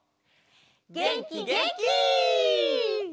げんきげんき！